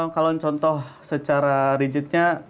kalau contoh secara rigidnya